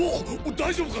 大丈夫か？